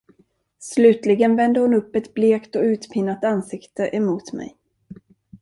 Slutligen vände hon upp ett blekt och utpinat ansikte emot mig.